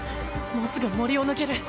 もうすぐ森を抜ける